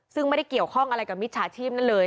ซึ่งไม่ได้เกี่ยวข้องอะไรกับมิจฉาชีพนั่นเลย